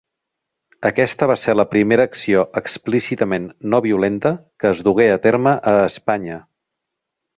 Aquesta va ser la primera acció explícitament no-violenta que es dugué a terme a Espanya.